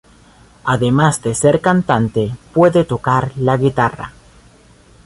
Además de ser cantante, puede tocar la guitarra.